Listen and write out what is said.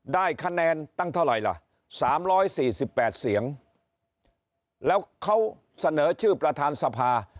ได้คะแนนตั้งเท่าไหร่ล่ะ๓๔๘เสียงแล้วเขาเสนอชื่อประธานสภา